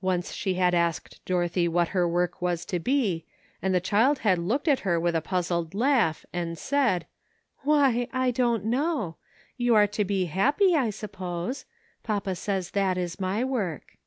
Once she had asked Dorothy what her work was to be, and the child had looked at her with a puzzled laugh, and said, ''Why, I don't know ; you are to be happy, I suppose ; papa says that is my work."